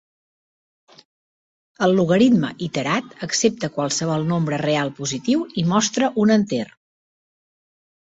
El logaritme iterat accepta qualsevol nombre real positiu i mostra un enter.